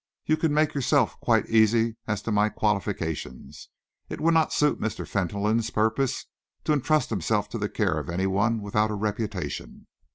"You can make yourself quite easy as to my qualifications. It would not suit Mr. Fentolin's purpose to entrust himself to the care of any one without a reputation."